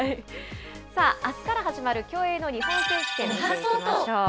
さあ、あすから始まる競泳の日本選手権いきましょう。